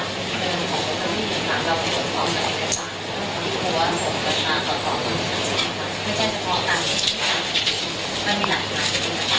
จากนี้ปัวด้วยแล้วเราก็ตรวจสอบจากเห็นจากนี้ปัวด้วยแล้วเราก็ตรวจสอบจากเห็น